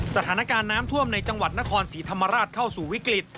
สถานการณ์น้ำท่วมในจังหวัดนครศรีธรรมราชเข้าสู่วิกฤต